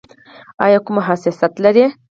ایا کوم حساسیت لرئ؟